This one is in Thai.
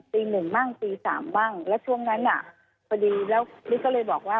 ปี๑มั่งปี๓มั่งแล้วช่วงนั้นน่ะพอดีแล้วมิ๊กก็เลยบอกว่า